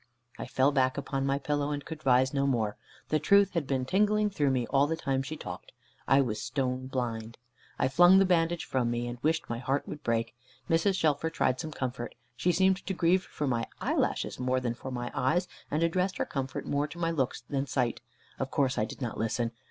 I fell back upon my pillow, and could rise no more. The truth had been tingling through me, all the time she talked. I was stone blind. I flung the bandage from me, and wished my heart would break. Mrs. Shelfer tried some comfort. She seemed to grieve for my eyelashes, more than for my eyes; and addressed her comfort more to my looks than sight. Of course, I did not listen.